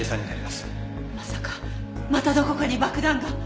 まさかまたどこかに爆弾が！